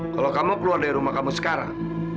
kalau kamu keluar dari rumah kamu sekarang